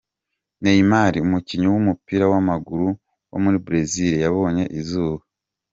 Neymar, umukinnyi w’umupira w’amaguru wo muri Brazil yabonye izuba.